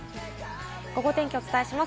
ゴゴ天気お伝えします。